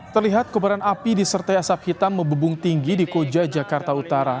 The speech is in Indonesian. terlihat kobaran api disertai asap hitam membubung tinggi di koja jakarta utara